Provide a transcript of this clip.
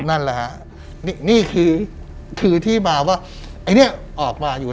นั่นแหละฮะนี่คือคือที่มาว่าไอ้เนี้ยออกมาอยู่